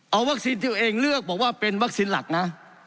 เอาวัคซีนที่ตัวเองเลือกบอกว่าเป็นวัคซีนหลักนะ